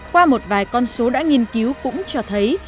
qua một vài con số đã nghiên cứu cũng cho thấy